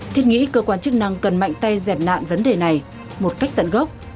thiết nghĩ cơ quan chức năng cần mạnh tay dẹp nạn vấn đề này một cách tận gốc